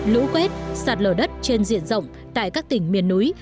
lũ quét sạt lở đất trên diện rộng tại các tỉnh miền núi